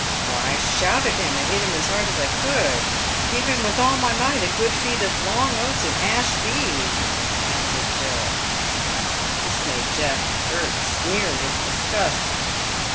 " Why, shout at him, and hit him as hard as I could — give him with all my might "a good feed of ' long oats' and ' ash beans,' " an swered Phil. This made Mr. Jack Burt sneer with disgust.